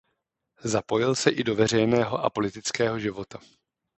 Zapojil se i do veřejného a politického života.